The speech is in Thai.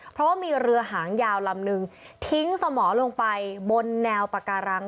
เพราะว่ามีเรือหางยาวลำนึงทิ้งสมอลงไปบนแนวปาการัง